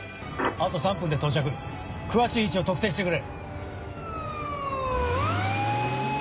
あと３分で到着詳しい位置を特定してくれ。